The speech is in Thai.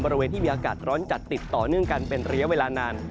บริเวณที่มีอากาศร้อนจัดติดต่อเนื่องกันเป็นระยะเวลานาน